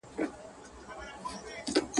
o څه توره تېره وه، څه انا ورسته وه.